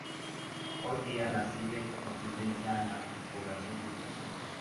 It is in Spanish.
Hoy día la sigue la tendencia a la despoblación de esta zona.